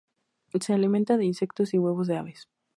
Se alimenta de insectos y huevos de aves.